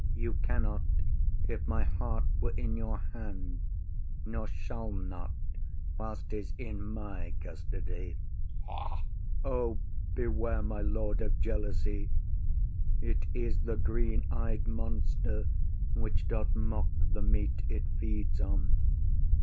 IAGO. You cannot, if my heart were in your hand, Nor shall not, whilst ’tis in my custody. OTHELLO. Ha? IAGO. O, beware, my lord, of jealousy; It is the green ey’d monster which doth mock The meat it feeds on.